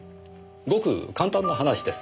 ごく簡単な話です。